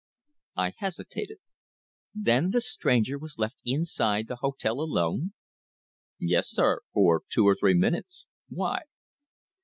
I hesitated. "Then the stranger was left inside the hotel alone?" "Yes, sir, for two or three minutes. Why?"